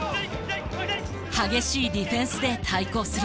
激しいディフェンスで対抗する。